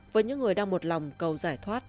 với những người đang một lòng cầu giải thích